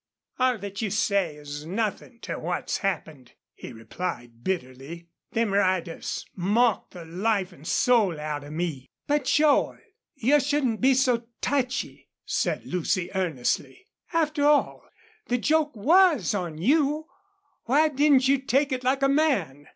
"All thet you say is nothin' to what's happened," he replied, bitterly. "Them riders mocked the life an' soul out of me." "But, Joel, you shouldn't be so so touchy," said Lucy, earnestly. "After all, the joke WAS on you. Why didn't you take it like a man?"